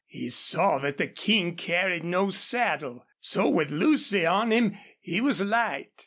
He saw that the King carried no saddle, so with Lucy on him he was light.